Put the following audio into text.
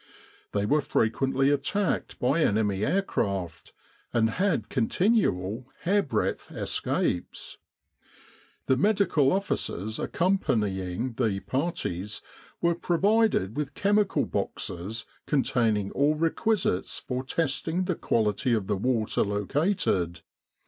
They were frequently attacked by enemy aircraft, and had continual hairbreadth es capes. The Medical Officers accompanying the parties were provided with chemical boxes containing all requisites for testing the quality of the water located.